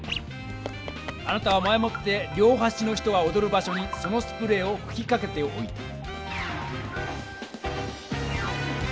あなたは前もって両はしの人がおどる場所にそのスプレーをふきかけておいた。